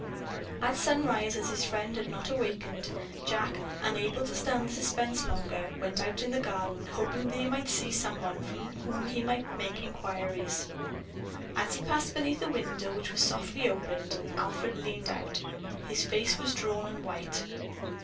At sunrise, as his friend had not awakened, Jack, unable to stand the suspense longer, went out in the garden hoping that he might see someone from whom he might make inquiries. As he passed beneath a window, it was softly opened and Alfred leaned out. His face was drawn and white.